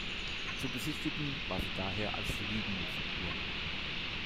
Zu besichtigen war sie daher als liegende Figur.